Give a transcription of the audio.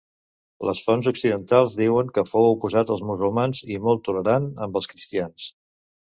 Les fonts occidentals diuen que fou oposat als musulmans i molt tolerant amb els cristians.